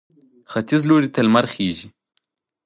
ختیځ لوري ته لمر خېژي.